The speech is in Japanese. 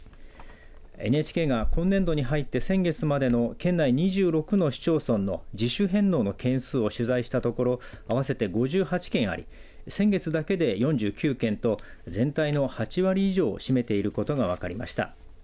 ＮＨＫが今年度に入って先月までの県内２６の市町村の自主返納の件数を取材したところ合わせて５８件あり先月だけで４９件と全体の８割以上を占めていることが分かりました。